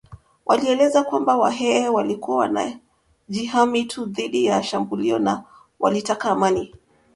walieleza kwamba Wahehe walikuwa wanajihami tu dhidi ya shambulio na walitaka amani